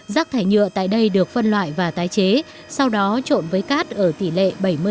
rác thải nhựa tại đây được phân loại và tái chế sau đó trộn với cát ở tỷ lệ bảy mươi